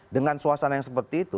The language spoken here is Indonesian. dengan suasana yang seperti itu